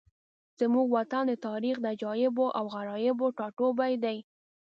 زموږ وطن د تاریخ د عجایبو او غرایبو ټاټوبی دی.